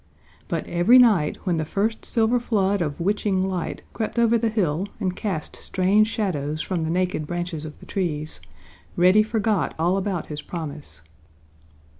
But every night when the first silver flood of witching light crept over the hill and cast strange shadows from the naked branches of the trees, Reddy forgot all about his promise.